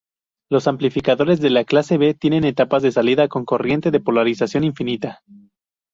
Los amplificadores de clase B tienen etapas de salida con corriente de polarización infinita.